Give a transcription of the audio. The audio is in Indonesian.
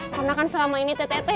karena kan selama ini teteh teteh